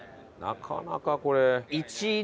なかなかこれ。